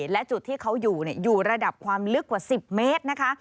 และจุดที่เขาอยู่อยู่ระดับความลึกกว่า๑๐เมตรนะคะ